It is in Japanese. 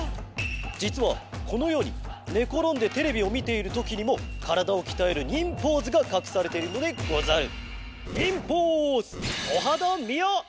じつはこのようにねころんでテレビをみているときにもからだをきたえる忍ポーズがかくされているのでござる。